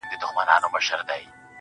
o د خدای د عرش قهر د دواړو جهانونو زهر.